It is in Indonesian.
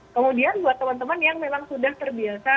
kemudian buat teman teman yang memang sudah terbiasa